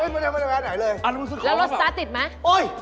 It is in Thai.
ไม่ได้แวะไหนเลยแล้วรถสตาร์ทติดไหมโอ๊ย